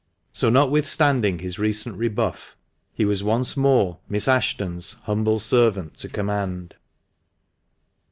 So, notwithstanding his recent rebuff, he was once more " Miss Ashton's humble servant to command."